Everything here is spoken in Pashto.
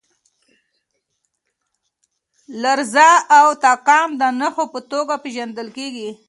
لرزه او تکان د نښو په توګه پېژندل کېږي.